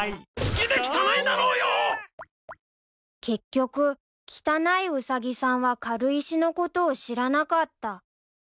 ［結局汚いウサギさんは軽石のことを知らなかった］